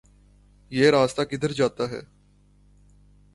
یہ راستہ کدھر جاتا ہے